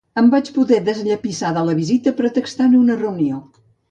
Em vaig poder desllepissar de la visita pretextant una reunió.